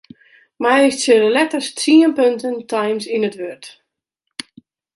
Meitsje de letters tsien punten Times yn it wurd.